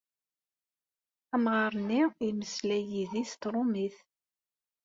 Amɣar-nni yemmeslay yid-i s tṛumit.